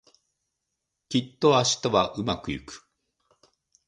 きっと明日はうまくいく